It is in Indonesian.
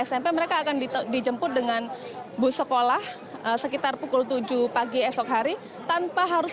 smp mereka akan dijemput dengan bus sekolah sekitar pukul tujuh pagi esok hari tanpa harus